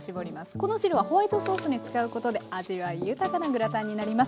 この汁はホワイトソースに使うことで味わい豊かなグラタンになります。